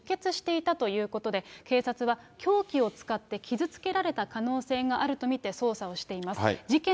うつ伏せに倒れ、体に傷があり、出血していたということで、警察は凶器を使って傷つけられた可能性があると見て捜査をしています。